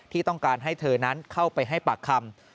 ที่ต้องการให้เธอนั้นเข้าไปให้ปากคำ